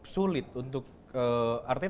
sulit untuk artinya